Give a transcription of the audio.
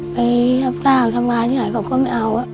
ไปรับจ้างทำงานที่ไหนเขาก็ไม่เอา